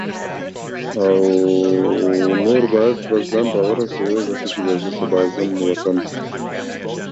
The pilot levelled the craft out, and proceeded with the climb.